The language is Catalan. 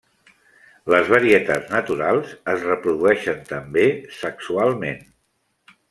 Les varietats naturals es reprodueixen també sexualment.